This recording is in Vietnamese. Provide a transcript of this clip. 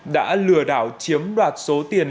đã lừa đảo chiếm đoạt số tiền